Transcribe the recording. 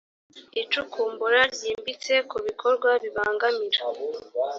icukumbura ryimbitse ku bikorwa bibangamira